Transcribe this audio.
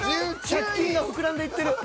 借金が膨らんでいってる。